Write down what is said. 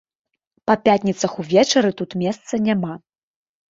Па пятніцах увечары тут месца няма.